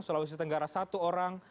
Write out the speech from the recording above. sulawesi tenggara satu orang